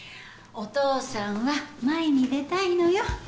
お父さんは前に出たいのよ。